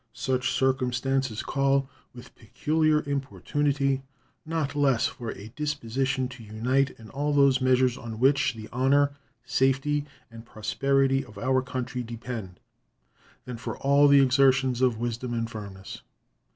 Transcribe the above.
Such circumstances call with peculiar importunity not less for a disposition to unite in all those measures on which the honor, safety, and prosperity of our country depend than for all the exertions of wisdom and firmness.